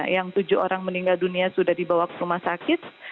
yang tujuh orang meninggal dunia sudah dibawa ke rumah sakit